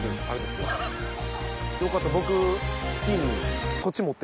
よかった僕。